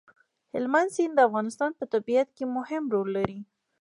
هلمند سیند د افغانستان په طبیعت کې مهم رول لري.